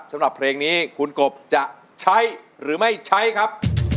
สำหรับเพลงนี้คุณกบจะใช้หรือไม่ใช้ครับ